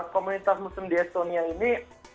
komunitas muslim di estonia ini